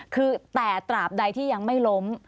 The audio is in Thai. คือแต่ตราบใดที่ยังไม่ล้ม